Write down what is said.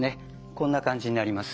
こんな感じになります。